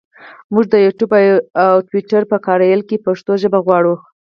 مونږ د یوټوپ او ټویټر په کاریال کې پښتو ژبه غواړو.